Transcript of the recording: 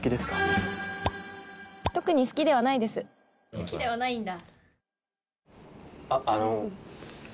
好きではないんだ。